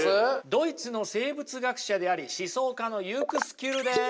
ドイツの生物学者であり思想家のユクスキュルです。